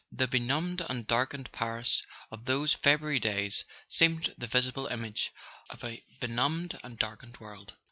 The benumbed and darkened Paris of those February days seemed the visible image of a benumbed and darkened world.